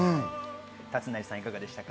達成さんいかがでしたか？